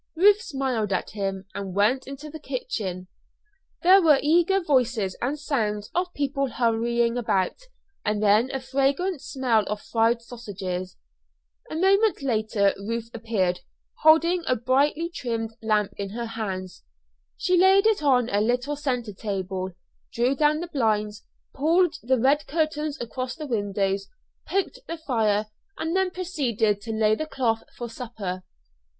Ruth smiled at him and went into the kitchen. There were eager voices and sounds of people hurrying about, and then a fragrant smell of fried sausages. A moment later Ruth appeared, holding a brightly trimmed lamp in her hand; she laid it on a little centre table, drew down the blinds, pulled the red curtains across the windows, poked up the fire, and then proceeded to lay the cloth for supper.